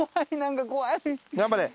頑張れ。